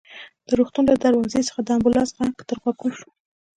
د روغتون له دروازې څخه د امبولانس غږ تر غوږو شو.